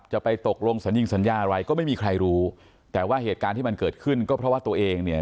จะไปตกลงสัญญิงสัญญาอะไรก็ไม่มีใครรู้แต่ว่าเหตุการณ์ที่มันเกิดขึ้นก็เพราะว่าตัวเองเนี่ย